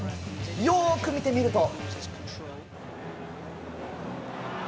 よく見てみると。